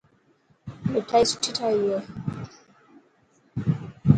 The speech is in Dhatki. مٺائي سٺي ٺاهي هي.